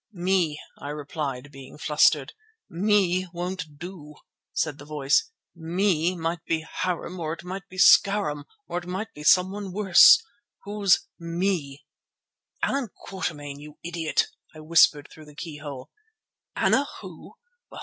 "Me," I replied, being flustered. "'Me' won't do," said the voice. "'Me' might be Harum or it might be Scarum, or it might be someone worse. Who's 'Me'?" "Allan Quatermain, you idiot," I whispered through the keyhole. "Anna who?